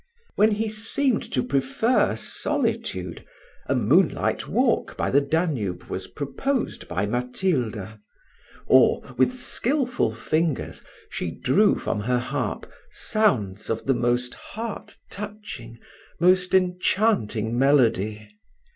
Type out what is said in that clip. When he seemed to prefer solitude, a moonlight walk by the Danube was proposed by Matilda; or, with skilful fingers, she drew from her harp sounds of the most heart touching, most enchanting melody.